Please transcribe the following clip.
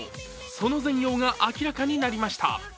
その全容が明らかになりました。